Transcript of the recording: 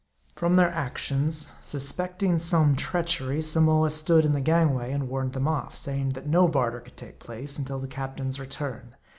From their actions, suspecting some treachery, Samoa stood in the gangway, and warned them off; saying that no barter could take place until the captain's return.